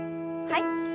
はい。